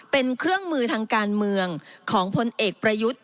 เป็นเครื่องมือทางการเมืองของพลเอกประยุทธ์